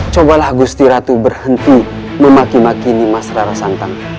cobalah gusti ratu berhenti memakimakini mas rara santong